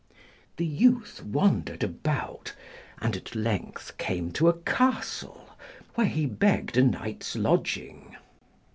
The youth wandered about, and at length came to a castle, where he begged a night's lodging.